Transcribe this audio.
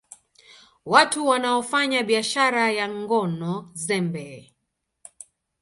Watu wanaofanya biashara ya ngono zembe